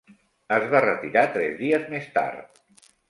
Es va retirar tres dies més tard.